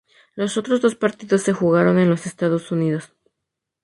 Los otros dos partidos se jugaron en los Estados Unidos.